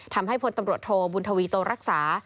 ทำให้พลตำรวจโทบุญทวีโตรักษา